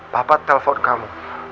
papa telpon kamu